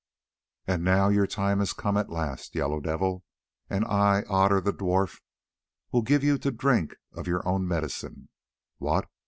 "And now your time has come at last, Yellow Devil, and I, Otter the dwarf, will give you to drink of your own medicine. What!